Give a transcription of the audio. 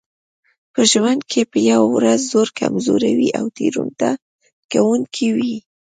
په ژوند کې به یوه ورځ زوړ کمزوری او تېروتنه کوونکی وئ.